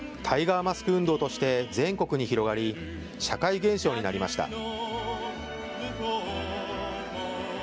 タイガーマスク運動として全国に広がり社会現象になりました。